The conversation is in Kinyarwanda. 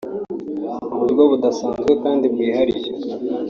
Mu buryo budasanzwe kandi bwihariye